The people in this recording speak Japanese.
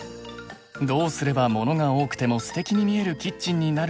どうすればモノが多くてもステキに見えるキッチンになるのか。